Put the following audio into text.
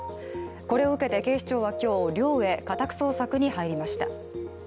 これを受けて警視庁は今日寮へ家宅捜索に入りました。